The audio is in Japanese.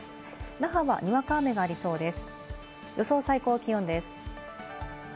那覇はにわか雨がありそうです。